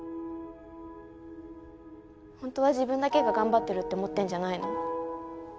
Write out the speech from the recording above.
ホントは自分だけが頑張ってるって思ってんじゃないの？